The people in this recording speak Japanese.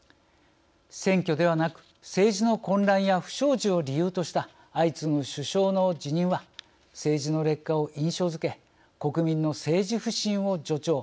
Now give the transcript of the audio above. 選挙ではなく政治の混乱や不祥事を理由とした相次ぐ首相の辞任は政治の劣化を印象づけ国民の政治不信を助長。